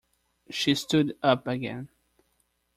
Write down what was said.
She stood up again.